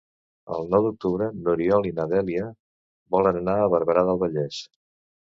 El nou d'octubre n'Oriol i na Dèlia volen anar a Barberà del Vallès.